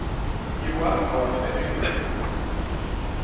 He was our saving grace.